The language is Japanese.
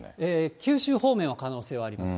九州方面は可能性はあります。